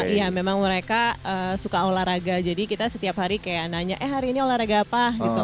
iya memang mereka suka olahraga jadi kita setiap hari kayak nanya eh hari ini olahraga apa gitu